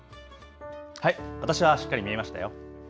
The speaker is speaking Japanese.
私はしっかり見えましたよ。